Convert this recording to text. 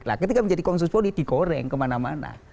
nah ketika menjadi konsumsi politik digoreng kemana mana